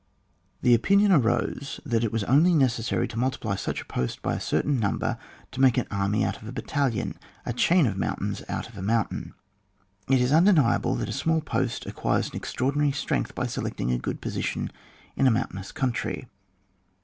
The opinion arose that it was only necessary to multiply such a post by a certain number to make an army out of a battalion, a chain of moimtains out of a mountain. It is undeniable that a small post acquires an extraordinary strength by selecting a good position in a moun tcdnous country.